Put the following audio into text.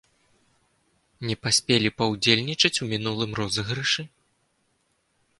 Не паспелі паўдзельнічаць у мінулым розыгрышы?